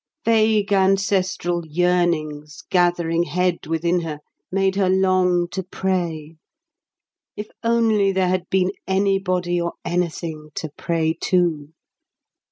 Vague ancestral yearnings, gathering head within her, made her long to pray—if only there had been anybody or anything to pray to.